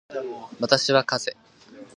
私はかぜ